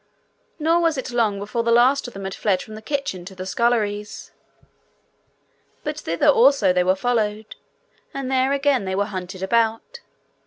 Nor was it long before the last of them had fled from the kitchen to the sculleries. But thither also they were followed, and there again they were hunted about.